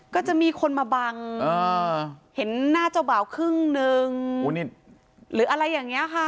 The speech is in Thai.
ก็จะมีคนมาบังเห็นหน้าเจ้าบ่าวครึ่งนึงหรืออะไรอย่างนี้ค่ะ